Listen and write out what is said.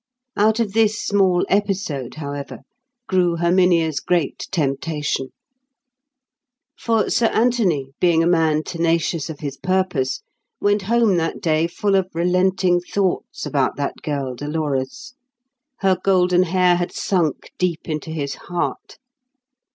Out of this small episode, however, grew Herminia's great temptation. For Sir Anthony, being a man tenacious of his purpose, went home that day full of relenting thoughts about that girl Dolores. Her golden hair had sunk deep into his heart.